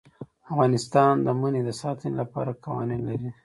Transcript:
افغانستان د منی د ساتنې لپاره قوانین لري.